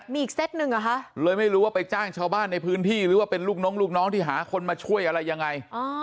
มีอีกเซตหนึ่งเหรอคะเลยไม่รู้ว่าไปจ้างชาวบ้านในพื้นที่หรือว่าเป็นลูกน้องลูกน้องที่หาคนมาช่วยอะไรยังไง